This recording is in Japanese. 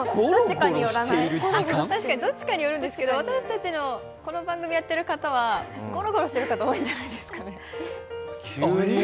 どっちかによるんですけど、私たちこの時間に番組やっている方はごろごろしてる方、多いんじゃないですか？